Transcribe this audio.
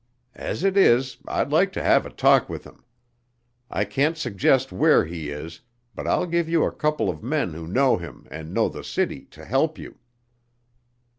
As it is, I'd like to have a talk with him. I can't suggest where he is, but I'll give you a couple of men who know him and know the city to help you."